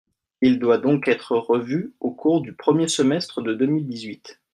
Il doit donc être revu au cours du premier semestre de deux mille dix-huit.